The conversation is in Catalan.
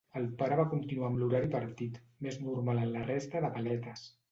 El pare va continuar amb l'horari partit, més normal en la resta de paletes.